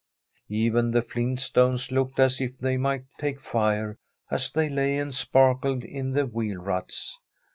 Even the flint stones looked as if they might take fire as they lay and sparkled in the wheel ruts.